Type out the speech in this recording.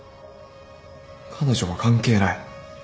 彼女は関係ない。